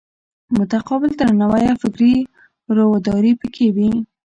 متقابل درناوی او فکري روداري پکې وي.